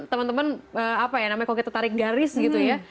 teman teman apa ya namanya kalau kita tarik garis gitu ya